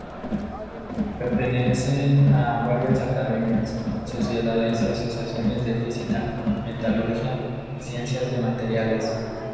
Pertenece a varias academias, sociedades y asociaciones de física, metalurgia y ciencias de materiales.